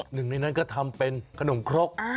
หนึ่งในนั้นก็ทำเป็นขนมครก